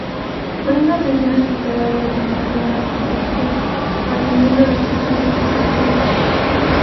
Brinda atención hospitalaria de mediana complejidad, atendiendo distintas especialidades.